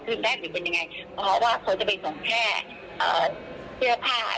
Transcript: แรกหรือเป็นยังไงเพราะว่าเขาจะไปส่งแค่เสื้อผ้า